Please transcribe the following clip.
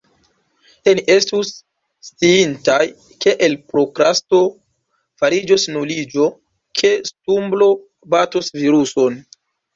Se ni estus sciintaj ke el prokrasto fariĝos nuliĝo, ke stumblo batos viruson…